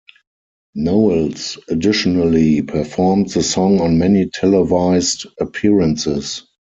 Knowles additionally performed the song on many televised appearances.